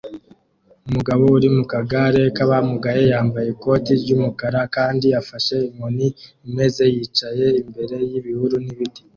Umugabo uri mu kagare k'abamugaye yambaye ikoti ry'umukara kandi afashe inkoni imeze yicaye imbere y'ibihuru n'ibiti